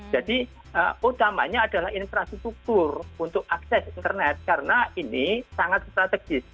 jadi utamanya adalah infrastruktur untuk akses internet karena ini sangat strategis